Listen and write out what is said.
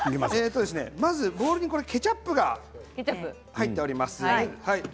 まずボウルにケチャップが入っております。